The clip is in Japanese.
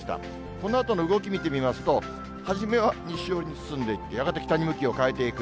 このあとの動き見てみますと、初めは西寄りに進んでいって、やがて北に向きを変えていく。